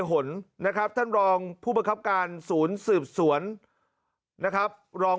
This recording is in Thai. ฝนนะครับท่านรองผู้ประครับการสูญสืบสวรรค์นะครับรอง